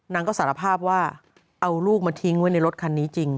นางก็สารภาพว่าเอาลูกมาทิ้งไว้ในรถคันนี้จริง